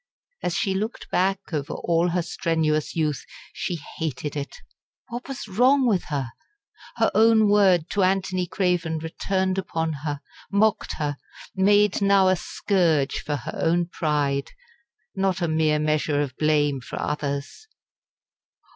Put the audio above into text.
As she looked back over all her strenuous youth she hated it. What was wrong with her? Her own word to Anthony Craven returned upon her, mocked her made now a scourge for her own pride, not a mere, measure of blame for others.